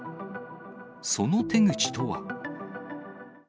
その手口とは。